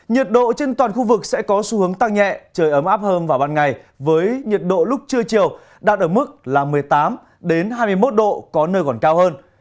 nhiệt độ trên toàn khu vực sẽ có xu hướng tăng nhẹ trời ấm áp hơn vào ban ngày với nhiệt độ lúc trưa chiều đạt ở mức một mươi tám hai mươi một độ có nơi còn cao hơn